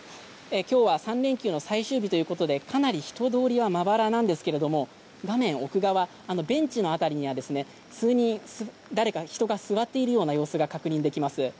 今日は３連休の最終日ということでかなり人通りはまばらなんですが画面奥側、ベンチの辺りには数人、誰か人が座っている様子が確認できます。